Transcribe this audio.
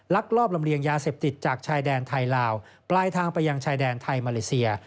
ลอบลำเลียงยาเสพติดจากชายแดนไทยลาวปลายทางไปยังชายแดนไทยมาเลเซีย